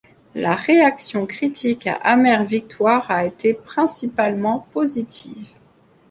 La réaction critique à Amère Victoire a été principalement positive.